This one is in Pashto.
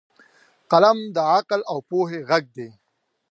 قلم د عقل او پوهې غږ دی